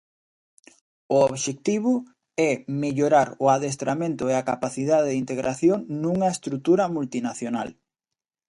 O obxectivo é mellorar o adestramento e a capacidade de integración nunha estrutura multinacional.